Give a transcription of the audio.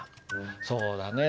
そうだね。